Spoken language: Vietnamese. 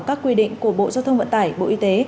các quy định của bộ giao thông vận tải bộ y tế